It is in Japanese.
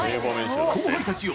後輩たちよ